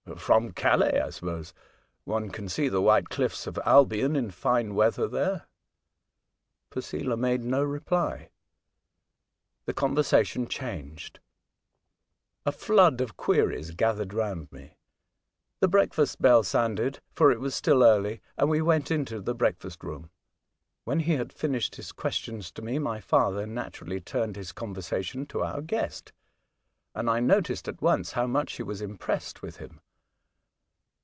'*" From Calais, I suppose. One can see the white cliffs of Albion in fine weather there." Posela made no reply. The conversation changed. A flood of queries gathered round me. The breakfast bell sounded, for it was still early, and we went into the breakfast room. When he had finished his questions to me, my father naturally turned his conversation to our guest, and I noticed at once how much he was impressed with him.